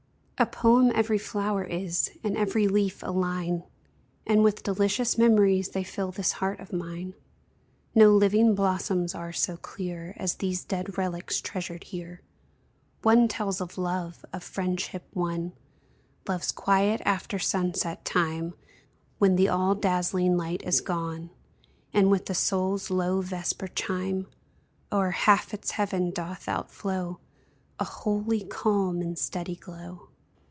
A poem every flower is, And every leaf a line, And with delicious memories They fill this heart of mine: No living blossoms are so clear As these dead relics treasured here; One tells of Love, of friendship one, Love's quiet after sunset time, When the all dazzling light is gone, And, with the soul's low vesper chime, O'er half its heaven doth out flow A holy calm and steady glow.